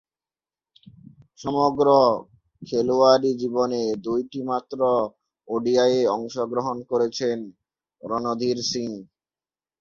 সমগ্র খেলোয়াড়ী জীবনে দুইটিমাত্র ওডিআইয়ে অংশগ্রহণ করেছেন রণধীর সিং।